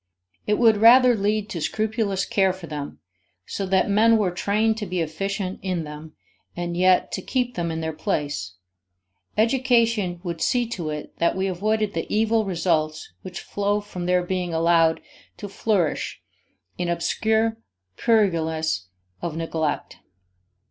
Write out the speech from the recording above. It would rather lead to scrupulous care for them, so that men were trained to be efficient in them and yet to keep them in their place; education would see to it that we avoided the evil results which flow from their being allowed to flourish in obscure purlieus of neglect.